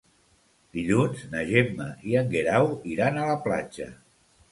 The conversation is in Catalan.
Dilluns na Gemma i en Guerau iran a la platja.